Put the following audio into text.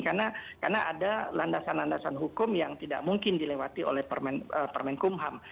karena ada landasan landasan hukum yang tidak mungkin dilewati oleh permen kumham